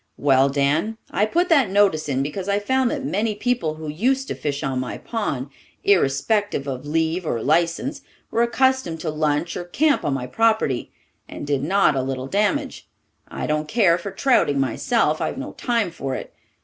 "Well, Dan, I put that notice in because I found that many people who used to fish on my pond, irrespective of leave or licence, were accustomed to lunch or camp on my property, and did not a little damage. I don't care for trouting myself; I've no time for it.